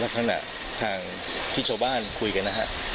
ขณะทางที่ชาวบ้านคุยกันนะฮะ